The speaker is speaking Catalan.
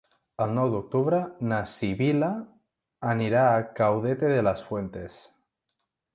El nou d'octubre na Sibil·la anirà a Caudete de las Fuentes.